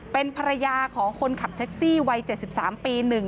เป็นภรรยาของคนขับแท็กซี่วัย๗๓ปี